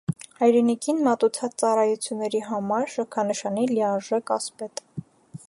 «Հայրենիքին մատուցած ծառայությունների համար» շքանշանի լիարժեք ասպետ։